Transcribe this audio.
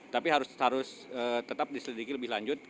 tapi harus tetap diselidiki lebih lanjut